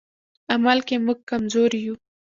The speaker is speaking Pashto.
عمل کې موږ کمزوري یو.